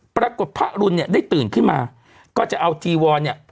ปรากฏพระรุนเนี่ยได้ตื่นขึ้นมาก็จะเอาจีวอนเนี่ย